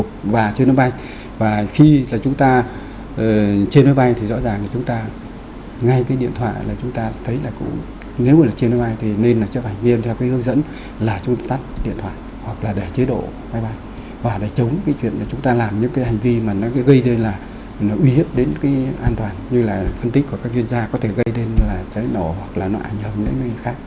điện thoại hoặc là để chế độ bay bay và để chống cái chuyện là chúng ta làm những cái hành vi mà nó gây nên là nó nguy hiểm đến cái an toàn như là phân tích của các chuyên gia có thể gây nên là cháy nổ hoặc là nọ ảnh hưởng đến nơi khác